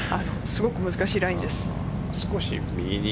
すごく難しいラインです。